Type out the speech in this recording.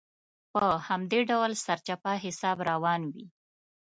په همدې ډول سرچپه حساب روان وي.